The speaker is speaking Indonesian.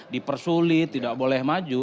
dipersulit tidak boleh maju